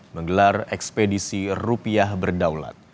menggelar ekspedisi rupiah berdaulat